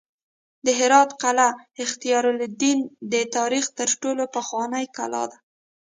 د هرات قلعه اختیارالدین د تاریخ تر ټولو پخوانۍ کلا ده